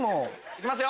いきますよ！